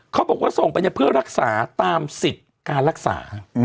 เขาบอกว่าส่งไปเพื่อรักษาตามสิทธิ์การรักษา